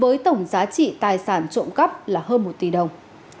với tổng giá trị tài sản trộm cắp là hơn một tỷ đồng